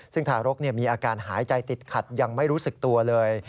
ซึ่งทารกมีอาการหายใจติดขัดยังไม่รู้สึกตัวเลย